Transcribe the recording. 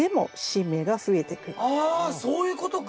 あそういうことか！